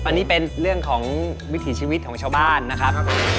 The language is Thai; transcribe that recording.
อันนี้เป็นเรื่องของวิถีชีวิตของชาวบ้านนะครับ